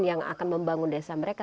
yang akan membangun desa mereka